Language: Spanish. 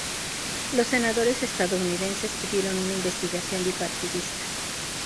Los senadores estadounidenses pidieron una investigación bipartidista.